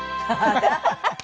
ハハハハ！